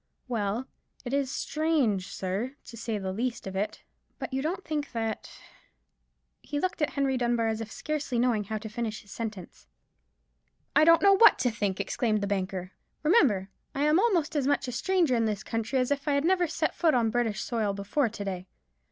"Well, it is strange, sir, to say the least of it. But you don't think that——" He looked at Henry Dunbar as if scarcely knowing how to finish his sentence. "I don't know what to think," exclaimed the banker. "Remember, I am almost as much a stranger in this country as if I had never set foot on British soil before to day.